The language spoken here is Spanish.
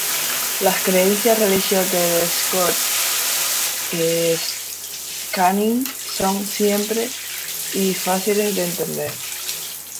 Las creencias religiosas de Scott Cunningham son simples y fáciles de entender.